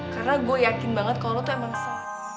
karena gue yakin banget kalau lo tuh emang se